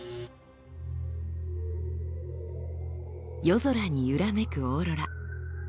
夜空に揺らめくオーロラ。